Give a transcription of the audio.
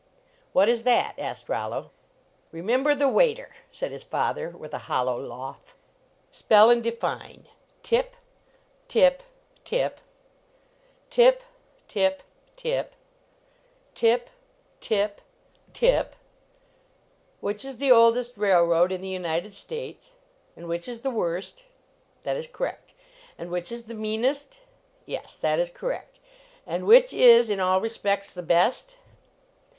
"What is that?" asked Rollo. "Remember the waiter," said his father, with a hollow lawff. SPELL AND DEFIN Tip Tip Tip Tip Tip Tip Tip Tip Tip 8 9 LEARNING TO TRAVEL Which is the oldest railroad in the United States ? And which is the worst ? That is correct. And which is the meanest ? Yes ; that is correct. And which is, in all respects, the best